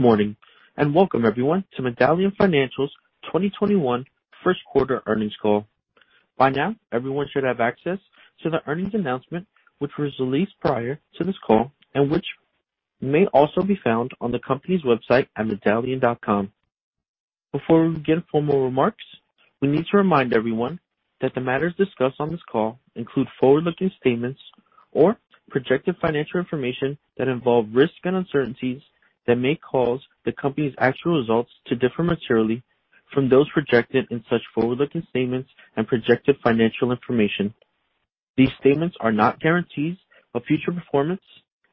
Good morning, and welcome everyone to Medallion Financial's 2021 first quarter earnings call. By now, everyone should have access to the earnings announcement which was released prior to this call and which may also be found on the company's website at medallion.com. Before we begin formal remarks, we need to remind everyone that the matters discussed on this call include forward-looking statements or projected financial information that involve risks and uncertainties that may cause the company's actual results to differ materially from those projected in such forward-looking statements and projected financial information. These statements are not guarantees of future performance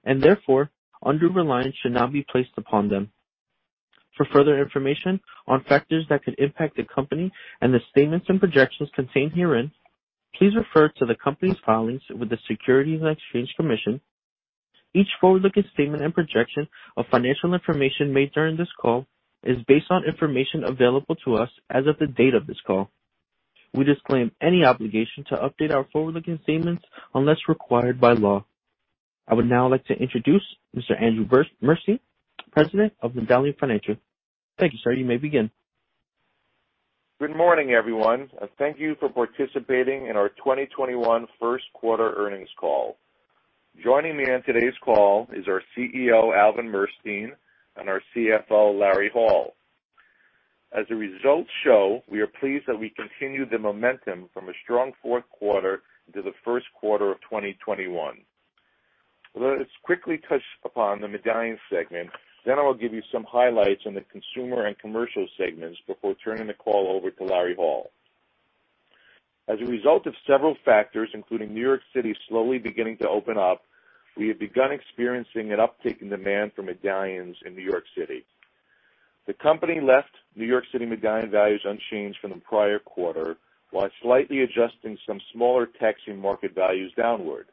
and therefore undue reliance should not be placed upon them. For further information on factors that could impact the company and the statements and projections contained herein, please refer to the company's filings with the Securities and Exchange Commission. Each forward-looking statement and projection of financial information made during this call is based on information available to us as of the date of this call. We disclaim any obligation to update our forward-looking statements unless required by law. I would now like to introduce Mr. Andrew Murstein, President of Medallion Financial. Thank you, sir. You may begin. Good morning, everyone. Thank you for participating in our 2021 first quarter earnings call. Joining me on today's call is our CEO, Alvin Murstein, and our CFO, Larry Hall. As the results show, we are pleased that we continue the momentum from a strong fourth quarter into the first quarter of 2021. Let us quickly touch upon the medallion segment. I will give you some highlights on the consumer and commercial segments before turning the call over to Larry Hall. As a result of several factors, including New York City slowly beginning to open up, we have begun experiencing an uptick in demand for Medallions in New York City. The company left New York City Medallion values unchanged from the prior quarter, while slightly adjusting some smaller taxi market values downward.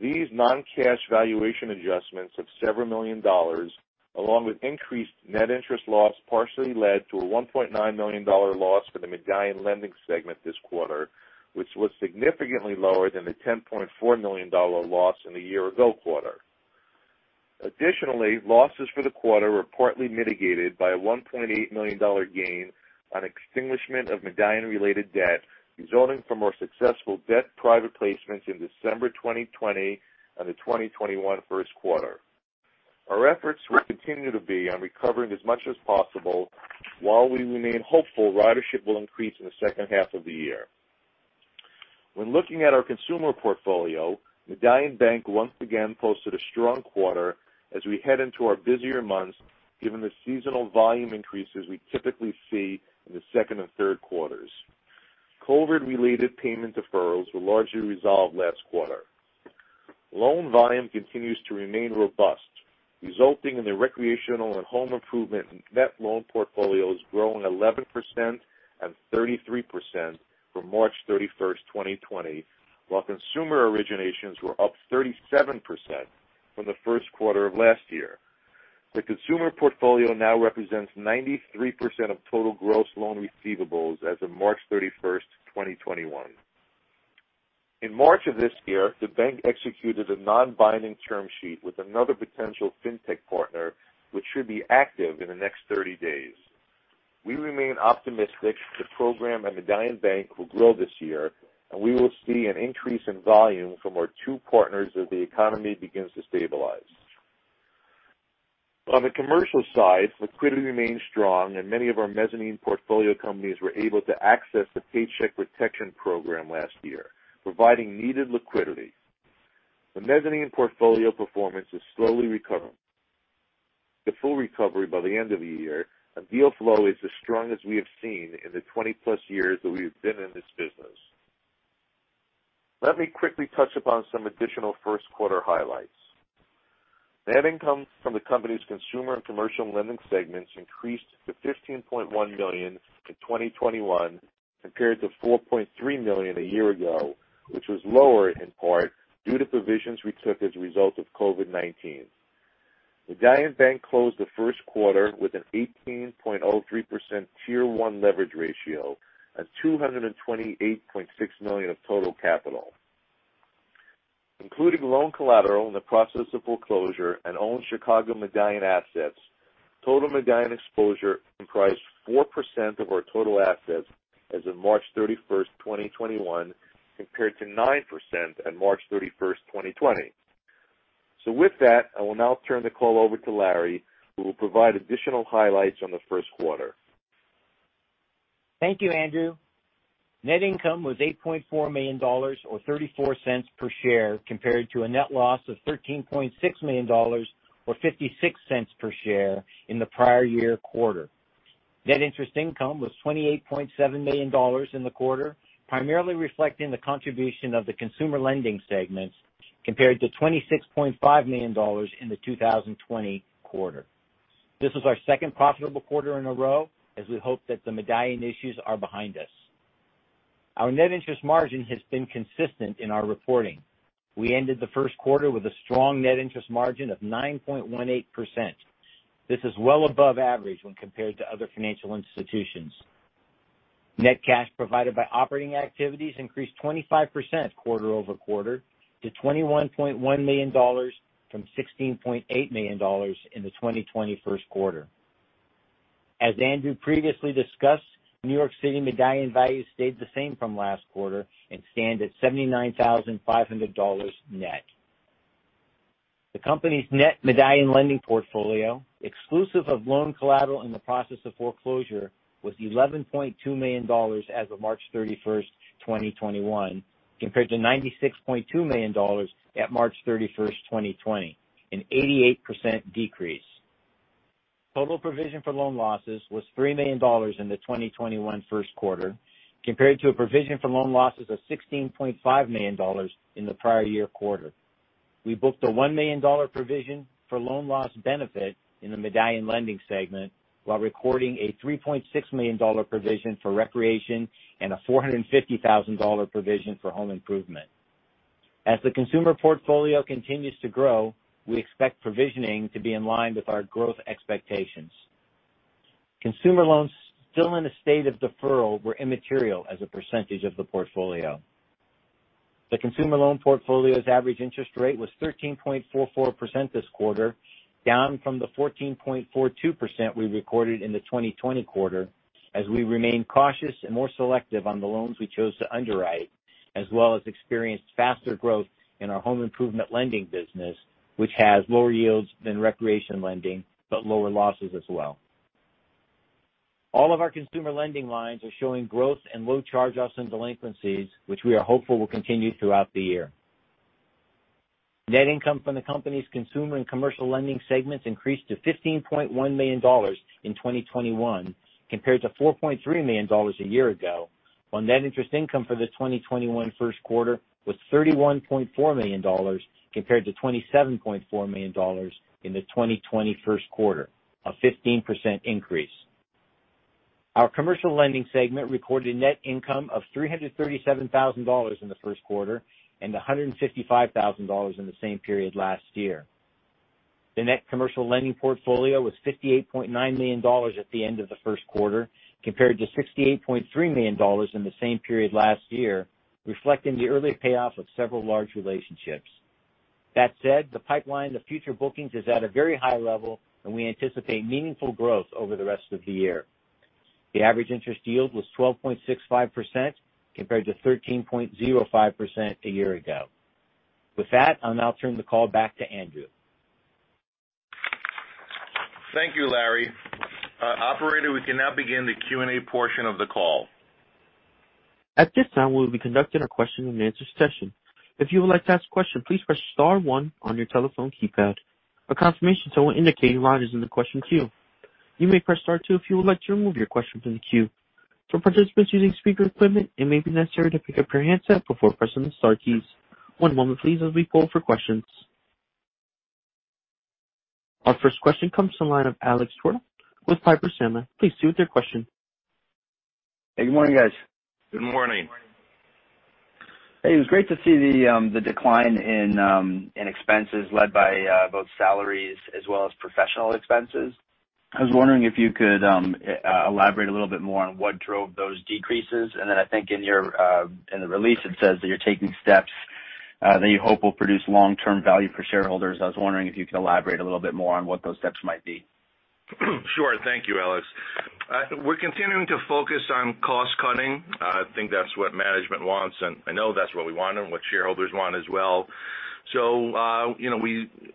These non-cash valuation adjustments of several million dollars, along with increased net interest loss, partially led to a $1.9 million loss for the Medallion lending segment this quarter, which was significantly lower than the $10.4 million loss in the year-ago quarter. Additionally, losses for the quarter were partly mitigated by a $1.8 million gain on extinguishment of Medallion-related debt resulting from our successful debt private placements in December 2020 and the 2021 first quarter. Our efforts will continue to be on recovering as much as possible while we remain hopeful ridership will increase in the second half of the year. When looking at our consumer portfolio, Medallion Bank once again posted a strong quarter as we head into our busier months given the seasonal volume increases we typically see in the second and third quarters. COVID-related payment deferrals were largely resolved last quarter. Loan volume continues to remain robust, resulting in the recreational and home improvement net loan portfolios growing 11% and 33% from March 31st, 2020, while consumer originations were up 37% from the first quarter of last year. The consumer portfolio now represents 93% of total gross loan receivables as of March 31st, 2021. In March of this year, the bank executed a non-binding term sheet with another potential fintech partner, which should be active in the next 30 days. We remain optimistic the program and Medallion Bank will grow this year, and we will see an increase in volume from our two partners as the economy begins to stabilize. On the commercial side, liquidity remains strong, and many of our mezzanine portfolio companies were able to access the Paycheck Protection Program last year, providing needed liquidity. The mezzanine portfolio performance is slowly recovering. The full recovery by the end of the year and deal flow is as strong as we have seen in the 20+ years that we have been in this business. Let me quickly touch upon some additional first quarter highlights. Net income from the company's consumer and commercial lending segments increased to $15.1 million in 2021, compared to $4.3 million a year ago, which was lower in part due to provisions we took as a result of COVID-19. Medallion Bank closed the first quarter with an 18.03% Tier 1 leverage ratio and $228.6 million of total capital. Including loan collateral in the process of foreclosure and own Chicago medallion assets, total medallion exposure comprised 4% of our total assets as of March 31st, 2021, compared to 9% on March 31st, 2020. With that, I will now turn the call over to Larry, who will provide additional highlights on the first quarter. Thank you, Andrew. Net income was $8.4 million, or $0.34 per share, compared to a net loss of $13.6 million, or $0.56 per share, in the prior year quarter. Net interest income was $28.7 million in the quarter, primarily reflecting the contribution of the consumer lending segment, compared to $26.5 million in the 2020 quarter. This was our second profitable quarter in a row, as we hope that the Medallion issues are behind us. Our net interest margin has been consistent in our reporting. We ended the first quarter with a strong net interest margin of 9.18%. This is well above average when compared to other financial institutions. Net cash provided by operating activities increased 25% quarter-over-quarter to $21.1 million from $16.8 million in the 2020 first quarter. As Andrew previously discussed, New York City medallion values stayed the same from last quarter and stand at $79,500 net. The company's net medallion lending portfolio, exclusive of loan collateral in the process of foreclosure, was $11.2 million as of March 31st, 2021, compared to $96.2 million at March 31st, 2020, an 88% decrease. Total provision for loan losses was $3 million in the 2021 first quarter, compared to a provision for loan losses of $16.5 million in the prior year quarter. We booked a $1 million provision for loan loss benefit in the medallion lending segment while recording a $3.6 million provision for recreation and a $450,000 provision for home improvement. As the consumer portfolio continues to grow, we expect provisioning to be in line with our growth expectations. Consumer loans still in a state of deferral were immaterial as a percentage of the portfolio. The consumer loan portfolio's average interest rate was 13.44% this quarter, down from the 14.42% we recorded in the 2020 quarter, as we remain cautious and more selective on the loans we chose to underwrite, as well as experienced faster growth in our home improvement lending business, which has lower yields than recreation lending, but lower losses as well. All of our consumer lending lines are showing growth and low charge-offs and delinquencies, which we are hopeful will continue throughout the year. Net income from the company's consumer and commercial lending segments increased to $15.1 million in 2021 compared to $4.3 million a year ago, while net interest income for the 2021 first quarter was $31.4 million compared to $27.4 million in the 2020 first quarter, a 15% increase. Our commercial lending segment recorded net income of $337,000 in the first quarter and $155,000 in the same period last year. The net commercial lending portfolio was $58.9 million at the end of the first quarter, compared to $68.3 million in the same period last year, reflecting the early payoff of several large relationships. That said, the pipeline of future bookings is at a very high level, and we anticipate meaningful growth over the rest of the year. The average interest yield was 12.65%, compared to 13.05% a year ago. With that, I'll now turn the call back to Andrew. Thank you, Larry. Operator, we can now begin the Q&A portion of the call. At this time, we will be conducting a question and answer session. If you would like to ask a question, please press star one on your telephone keypad. A confirmation will indicate your rise in the question queue. You may press star two if you would like to remove your question from the queue. For participants using speakerphones, it may be necessary to pick up your handset before pressing the star keys. One moment, please, we'll be poll for questions. Our first question comes from the line of Alexander Twerdahl with Piper Sandler. Please proceed with your question. Hey, good morning, guys. Good morning. Hey, it was great to see the decline in expenses led by both salaries as well as professional expenses. I was wondering if you could elaborate a little bit more on what drove those decreases? I think in the release, it says that you're taking steps that you hope will produce long-term value for shareholders. I was wondering if you could elaborate a little bit more on what those steps might be? Sure. Thank you, Alex. We're continuing to focus on cost-cutting. I think that's what management wants, and I know that's what we want and what shareholders want as well.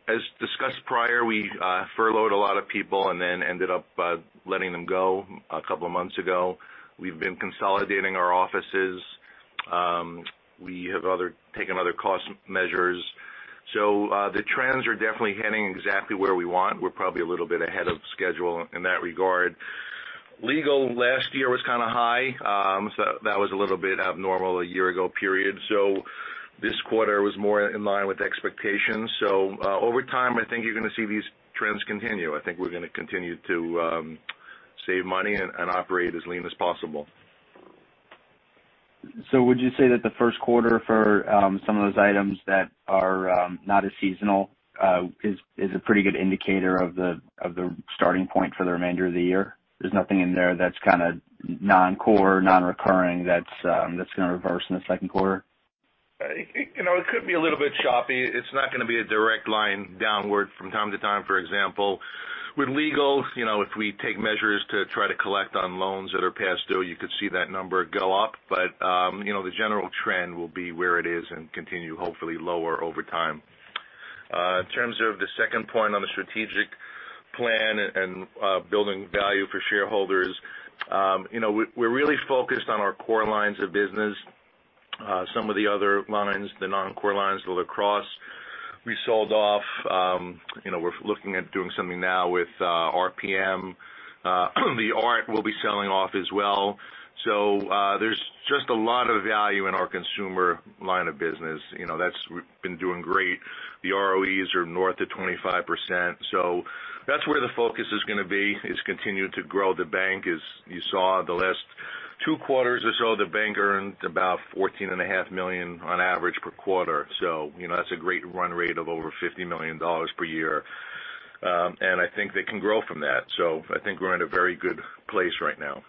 As discussed prior, we furloughed a lot of people and then ended up letting them go a couple of months ago. We've been consolidating our offices. We have taken other cost measures. The trends are definitely heading exactly where we want. We're probably a little bit ahead of schedule in that regard. Legal last year was kind of high. That was a little bit abnormal a year ago period. This quarter was more in line with expectations. Over time, I think you're going to see these trends continue. I think we're going to continue to save money and operate as lean as possible. Would you say that the first quarter for some of those items that are not as seasonal is a pretty good indicator of the starting point for the remainder of the year? There's nothing in there that's kind of non-core, non-recurring, that's going to reverse in the second quarter? It could be a little bit choppy. It's not going to be a direct line downward from time to time. For example, with legal, if we take measures to try to collect on loans that are past due, you could see that number go up. The general trend will be where it is and continue, hopefully, lower over time. In terms of the second point on the strategic plan and building value for shareholders. We're really focused on our core lines of business. Some of the other lines, the non-core lines, the lacrosse, we sold off. We're looking at doing something now with RPM. The art we'll be selling off as well. There's just a lot of value in our consumer line of business. That's been doing great. The ROEs are north of 25%. That's where the focus is going to be, is continue to grow the bank. As you saw the last two quarters or so, the bank earned about $14.5 million on average per quarter. I think they can grow from that. I think we're in a very good place right now.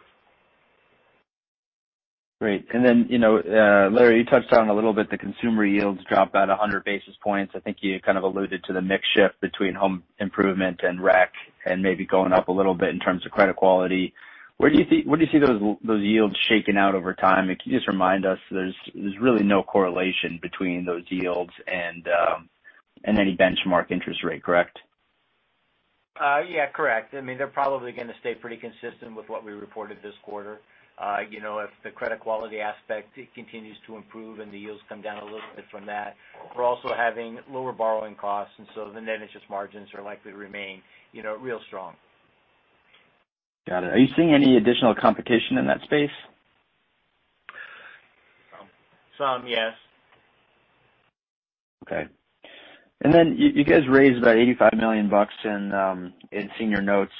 Great. Larry, you touched on a little bit, the consumer yields dropped about 100 basis points. I think you kind of alluded to the mix shift between home improvement the rec and maybe going up a little bit in terms of credit quality. Where do you see those yields shaking out over time? Can you just remind us, there's really no correlation between those yields and any benchmark interest rate, correct? Yeah, correct. They're probably going to stay pretty consistent with what we reported this quarter. If the credit quality aspect continues to improve and the yields come down a little bit from that. We're also having lower borrowing costs, and so the net interest margins are likely to remain real strong. Got it. Are you seeing any additional competition in that space? Some, yes. Okay. You guys raised about $85 million in senior notes,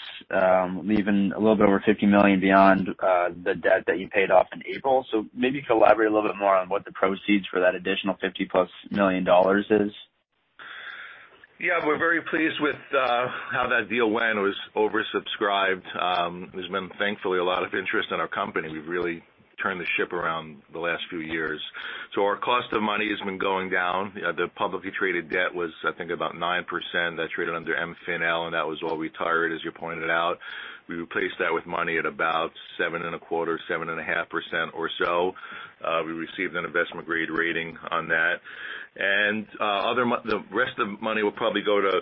leaving a little bit over $50 million beyond the debt that you paid off in April. Maybe you could elaborate a little bit more on what the proceeds for that additional $50+ million is. Yeah, we're very pleased with how that deal went. It was oversubscribed. There's been, thankfully, a lot of interest in our company. We've really turned the ship around the last few years. Our cost of money has been going down. The publicly traded debt was, I think, about 9%. That traded under MFIN, and that was all retired, as you pointed out. We replaced that with money at about 7.25%, 7.5% or so. We received an investment-grade rating on that. The rest of the money will probably go to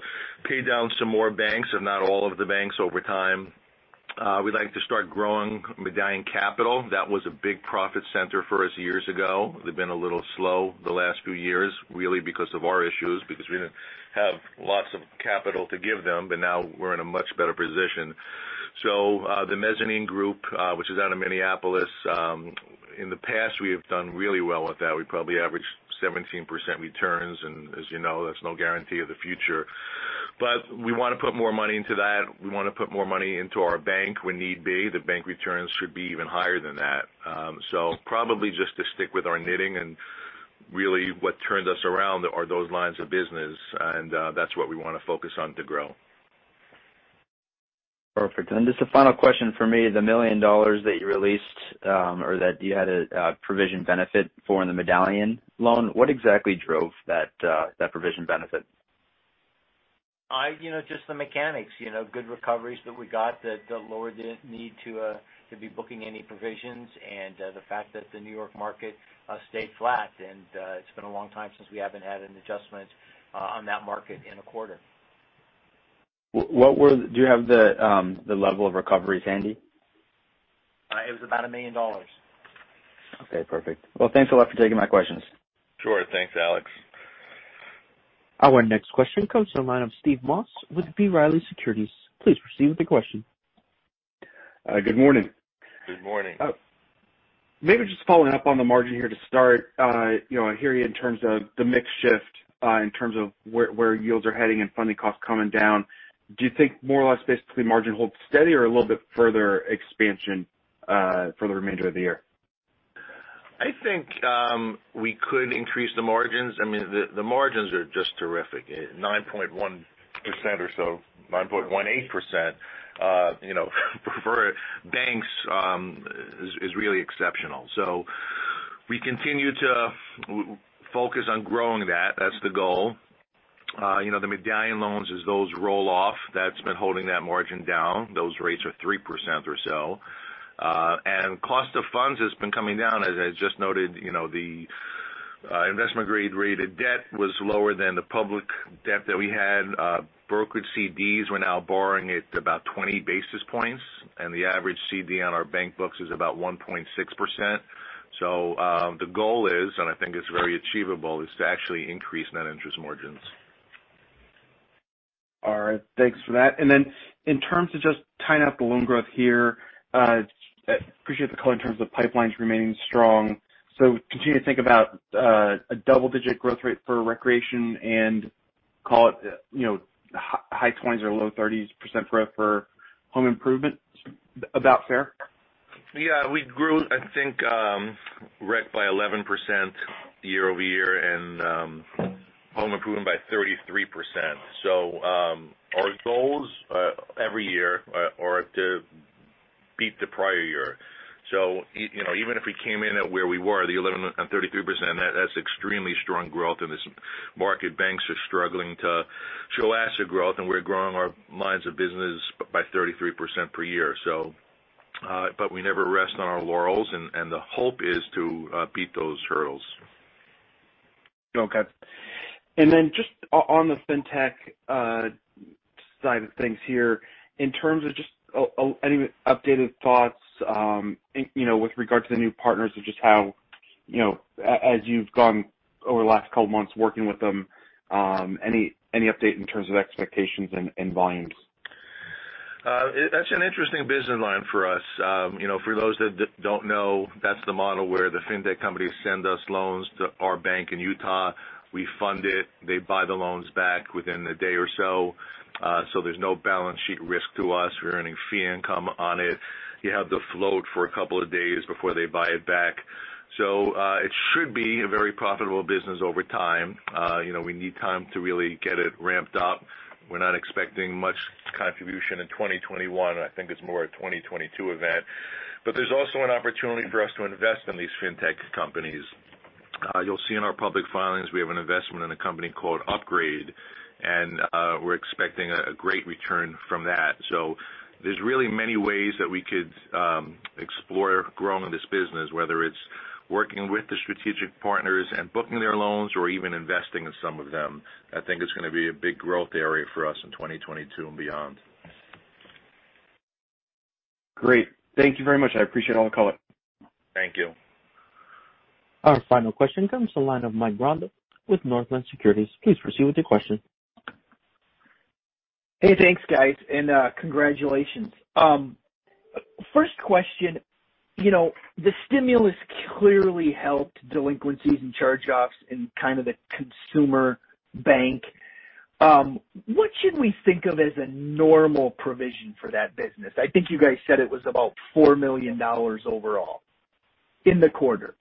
pay down some more banks and not all of the banks over time. We'd like to start growing Medallion Capital. That was a big profit center for us years ago. They've been a little slow the last few years, really because of our issues, because we didn't have lots of capital to give them. Now we're in a much better position. The mezzanine group, which is out of Minneapolis, in the past, we have done really well with that. We probably averaged 17% returns. As you know, that's no guarantee of the future. We want to put more money into that. We want to put more money into our Bank when need be. The Bank returns should be even higher than that. Probably just to stick with our knitting, and really what turned us around are those lines of business, and that's what we want to focus on to grow. Perfect. Just a final question from me. The $1 million that you released or that you had a provision benefit for in the Medallion loan, what exactly drove that provision benefit? Just the mechanics, good recoveries that we got that lowered the need to be booking any provisions, and the fact that the New York market stayed flat. It's been a long time since we haven't had an adjustment on that market in a quarter. Do you have the level of recoveries handy? It was about $1 million. Okay, perfect. Well, thanks a lot for taking my questions. Sure. Thanks, Alex. Our next question comes from the line of Steve Moss with B. Riley Securities. Please proceed with the question. Good morning. Good morning. Maybe just following up on the margin here to start. I hear you in terms of the mix shift, in terms of where yields are heading and funding costs coming down. Do you think more or less basically margin holds steady or a little bit further expansion for the remainder of the year? I think we could increase the margins. The margins are just terrific. 9.1% or so, 9.18%, for banks, is really exceptional. We continue to focus on growing that. That's the goal. The Medallion loans, as those roll off, that's been holding that margin down. Those rates are 3% or so. Cost of funds has been coming down. As I just noted, the investment-grade rated debt was lower than the public debt that we had. Brokered CDs, we're now borrowing at about 20 basis points, and the average CD on our bank books is about 1.6%. The goal is, and I think it's very achievable, is to actually increase net interest margins. All right. Thanks for that. Then in terms of just tying up the loan growth here, I appreciate the color in terms of pipelines remaining strong. Continue to think about a double-digit growth rate for recreation and call it high 20s or low 30s % growth for home improvement. About fair? Yeah. We grew, I think, rec by 11% year-over-year and home improvement by 33%. Our goals every year are to beat the prior year. Even if we came in at where we were, the 11% and 33%, that's extremely strong growth in this market. Banks are struggling to show asset growth, and we're growing our lines of business by 33% per year. We never rest on our laurels, and the hope is to beat those hurdles. Okay. Just on the fintech side of things here, in terms of just any updated thoughts with regard to the new partners of just how, as you've gone over the last couple of months working with them, any update in terms of expectations and volumes? That's an interesting business line for us. For those that don't know, that's the model where the fintech companies send us loans to our bank in Utah. We fund it. They buy the loans back within a day or so. There's no balance sheet risk to us. We're earning fee income on it. You have the float for a couple of days before they buy it back. It should be a very profitable business over time. We need time to really get it ramped up. We're not expecting much contribution in 2021. I think it's more a 2022 event. There's also an opportunity for us to invest in these fintech companies. You'll see in our public filings, we have an investment in a company called Upgrade, and we're expecting a great return from that. There's really many ways that we could explore growing this business, whether it's working with the strategic partners and booking their loans or even investing in some of them. I think it's going to be a big growth area for us in 2022 and beyond. Great. Thank you very much. I appreciate all the color. Thank you. Our final question comes to the line of Mike Grondahl with Northland Securities. Please proceed with your question. Hey, thanks, guys, and congratulations. First question. The stimulus clearly helped delinquencies and charge-offs in kind of the consumer bank. What should we think of as a normal provision for that business? I think you guys said it was about $4 million overall in the quarter.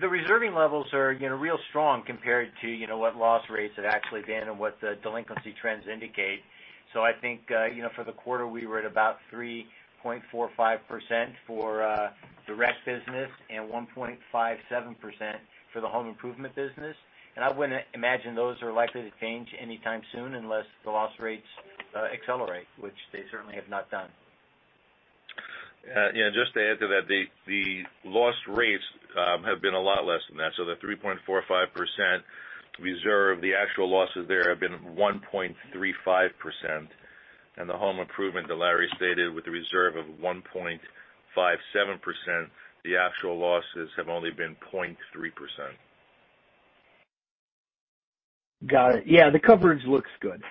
The reserving levels are real strong compared to what loss rates have actually been and what the delinquency trends indicate. I think for the quarter, we were at about 3.45% for direct business and 1.57% for the home improvement business. I wouldn't imagine those are likely to change anytime soon unless the loss rates accelerate, which they certainly have not done. Just to add to that. The loss rates have been a lot less than that. The 3.45% reserve, the actual losses there have been 1.35%. The home improvement that Larry Hall stated with a reserve of 1.57%, the actual losses have only been 0.3%. Got it. Yeah, the coverage looks good,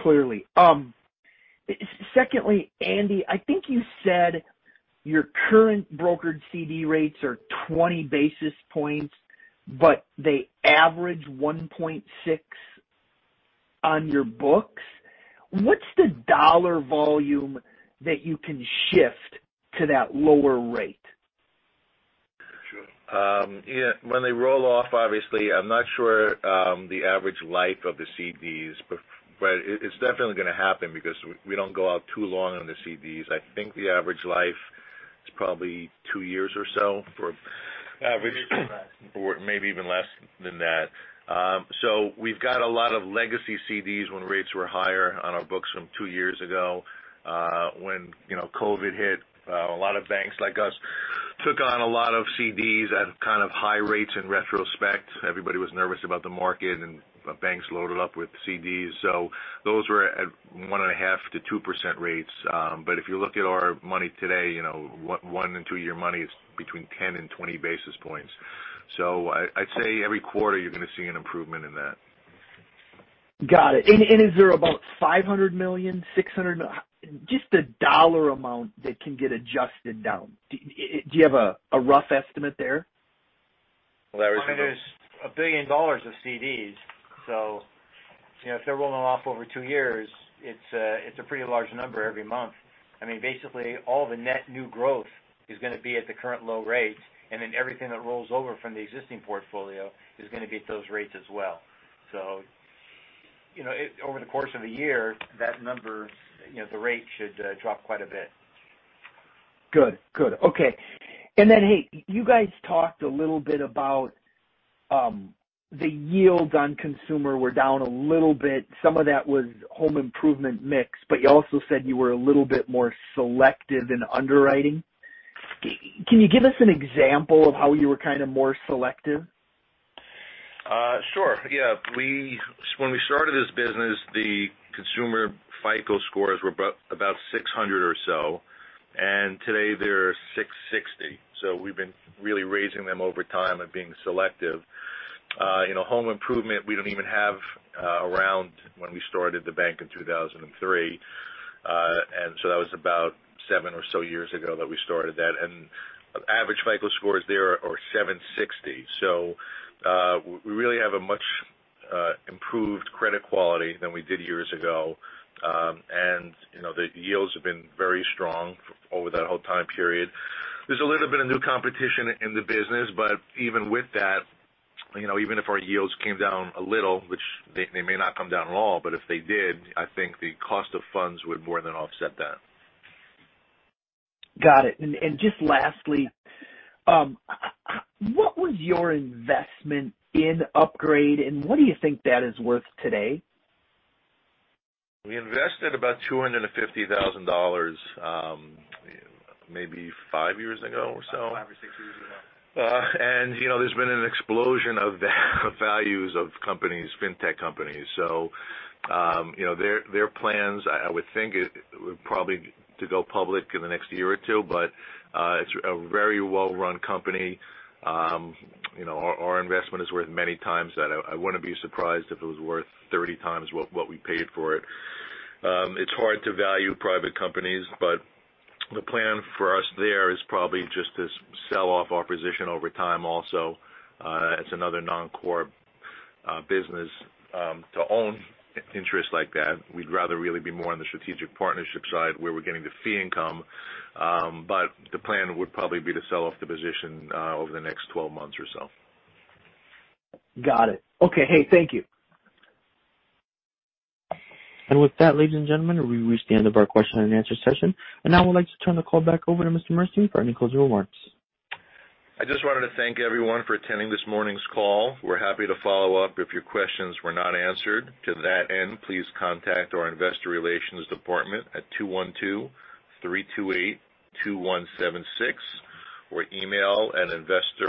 clearly. Secondly, Andy, I think you said your current brokered CD rates are 20 basis points, but they average 1.6 on your books. What's the dollar volume that you can shift to that lower rate? Sure. Yeah. When they roll off, obviously, I'm not sure the average life of the CDs, but it's definitely going to happen because we don't go out too long on the CDs. I think the average life is probably two years or so for average- Maybe even less. Maybe even less than that. We've got a lot of legacy CDs when rates were higher on our books from two years ago. When COVID hit, a lot of banks like us took on a lot of CDs at kind of high rates in retrospect. Everybody was nervous about the market and banks loaded up with CDs. Those were at 1.5%-2% rates. If you look at our money today, one and two-year money is between 10 and 20 basis points. I'd say every quarter you're going to see an improvement in that. Got it. Is there about $500 million, $600? Just the dollar amount that can get adjusted down. Do you have a rough estimate there? Larry, do you want to. There's $1 billion of CDs. If they're rolling off over two years, it's a pretty large number every month. Basically, all the net new growth is going to be at the current low rate, and then everything that rolls over from the existing portfolio is going to be at those rates as well. Over the course of a year, that number, the rate should drop quite a bit. Good. Okay. Hey, you guys talked a little bit about the yields on consumer were down a little bit. Some of that was home improvement mix, you also said you were a little bit more selective in underwriting. Can you give us an example of how you were kind of more selective? Sure, yeah. When we started this business, the consumer FICO scores were about 600 or so, and today they're 660. We've been really raising them over time and being selective. Home improvement, we don't even have around when we started the bank in 2003. That was about seven or so years ago that we started that. Average FICO scores there are 760. We really have a much improved credit quality than we did years ago. The yields have been very strong over that whole time period. There's a little bit of new competition in the business. Even with that, even if our yields came down a little, which they may not come down at all, but if they did, I think the cost of funds would more than offset that. Got it. Just lastly, what was your investment in Upgrade and what do you think that is worth today? We invested about $250,000 maybe five years ago or so. Five or six years ago. There's been an explosion of the values of companies, fintech companies. Their plans, I would think, probably to go public in the next year or two. It's a very well-run company. Our investment is worth many times that. I wouldn't be surprised if it was worth 30x what we paid for it. It's hard to value private companies, but the plan for us there is probably just to sell off our position over time also. It's another non-core business to own interest like that. We'd rather really be more on the strategic partnership side where we're getting the fee income. The plan would probably be to sell off the position over the next 12 months or so. Got it. Okay. Hey, thank you. With that, ladies and gentlemen, we've reached the end of our question and answer session. Now I'd like to turn the call back over to Andrew Murstein for any closing remarks. I just wanted to thank everyone for attending this morning's call. We're happy to follow up if your questions were not answered. To that end, please contact our investor relations department at 212-328-2176 or email at investor.